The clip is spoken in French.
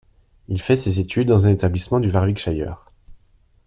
Il fait ses études dans un établissement du Warwickshire.